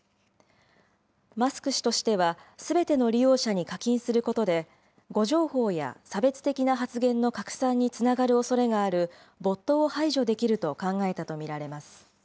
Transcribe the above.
マスク氏としては、すべての利用者に課金することで、誤情報や差別的な発言の拡散につながるおそれがあるボットを排除できると考えたと見られます。